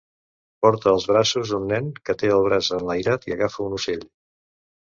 Porta als braços un nen que té el braç enlairat i agafa un ocell.